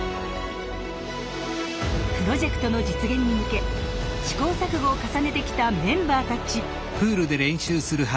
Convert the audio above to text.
プロジェクトの実現に向け試行錯誤を重ねてきたメンバーたち。